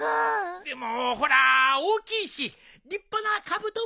でもほら大きいし立派なカブトムシじゃよ。